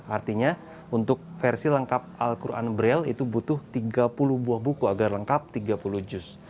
artinya untuk versi lengkap al quran braille itu butuh tiga puluh buah buku agar lengkap tiga puluh juz